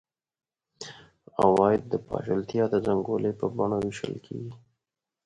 عواید د پاشلتیا د زنګولې په بڼه وېشل کېږي.